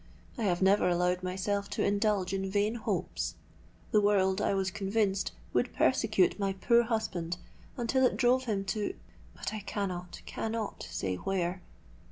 I have never allowed myself to indulge in vain hopes. The world, I was convinced, would persecute my poor husband until it drove him to——but I cannot, cannot say where!